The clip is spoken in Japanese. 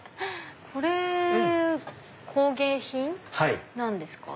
これ工芸品なんですか？